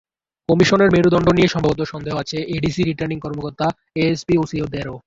কমিশনের মেরুদণ্ড নিয়ে সম্ভবত সন্দেহ আছে এডিসি, রিটার্নিং কর্মকর্তা, এসপি, ওসিদেরও।